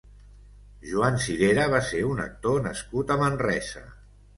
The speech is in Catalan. Joan Cirera va ser un actor nascut a Manresa.